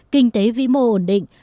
kinh tế vĩ mô ổn định